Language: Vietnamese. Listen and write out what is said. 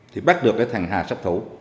thì bắt được cái thằng hà sát thủ